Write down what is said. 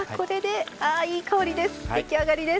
あいい香りです。